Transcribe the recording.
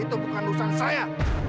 itu bukan usaha saya